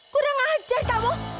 kurang ajar kamu